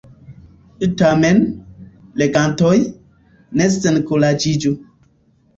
Tamen, legantoj, ne senkuraĝiĝu.